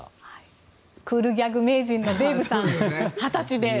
クールギャグ名人のデーブさん